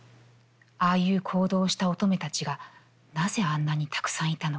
ああいう行動をした乙女たちがなぜあんなにたくさんいたのか？